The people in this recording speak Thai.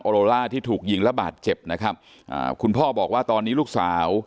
โลล่าที่ถูกยิงและบาดเจ็บนะครับอ่าคุณพ่อบอกว่าตอนนี้ลูกสาว